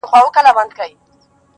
څه به د «میني انتظار» له نامردانو کوو!